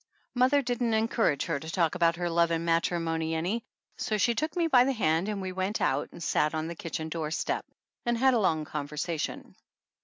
Mother didn't encourage her to talk about her love and matrimony any, so she took me by the hand and we went out and sat down on the kitchen doorstep and had a long conversation.